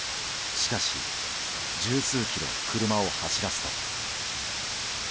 しかし、十数キロ車を走らすと。